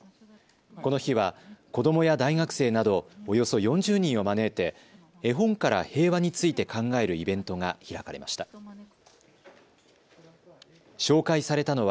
この日は、子どもや大学生などおよそ４０人を招いて、絵本から平和について考えるイベントが開かれました。